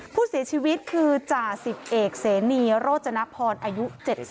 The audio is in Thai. ผู้เสียชีวิตคือจ่าสิบเอกเสนีโรจนพรอายุ๗๐